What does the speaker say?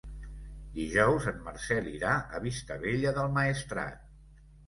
Dijous en Marcel irà a Vistabella del Maestrat.